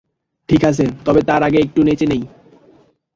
ঠিক আছে, তবে তার আগে একটু নেচে নেই!